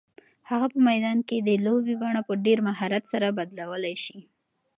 هغه په میدان کې د لوبې بڼه په ډېر مهارت سره بدلولی شي.